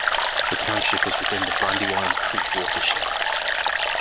The township is within the Brandywine Creek watershed.